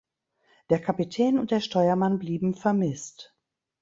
Der Kapitän und der Steuermann blieben vermisst.